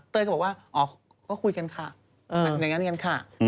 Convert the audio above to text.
ก็บอกว่าอ๋อก็คุยกันค่ะอย่างนั้นกันค่ะ